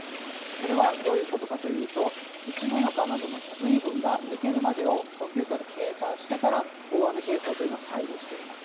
それはどういうことかというと、土の中などの水分が抜けるまでをコンピューターで計算してから、大雨警報というのは解除しています。